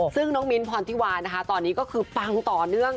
ซึ่งน้องมิ้นท์พรธิวานะคะตอนนี้ก็คือปังต่อเนื่อง